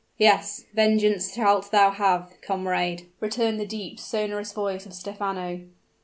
"Yes vengeance shalt thou have, comrade," returned the deep, sonorous voice of Stephano.